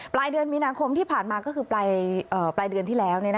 ปลายเดือนมีนาคมที่ผ่านมาก็คือปลายเดือนที่แล้ว